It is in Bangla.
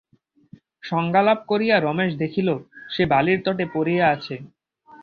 সংজ্ঞালাভ করিয়া রমেশ দেখিল, সে বালির তটে পড়িয়া আছে।